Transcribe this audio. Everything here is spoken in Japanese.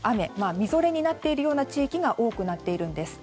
みぞれになっている地域が多くなっているんです。